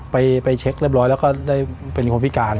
ไปเช็คเรียบร้อยแล้วก็ได้เป็นคนพิการ